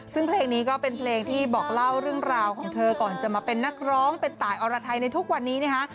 ซึ่งเพลงนี้ก็เป็นเพลงที่บอกเล่าเรื่องราวของเธอก่อนจะมาเป็นนักร้องเป็นตายอรไทยในทุกวันนี้นะคะ